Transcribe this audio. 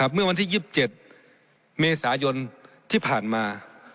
เมื่อวันที่๒๗เมษายนที่ผ่านมา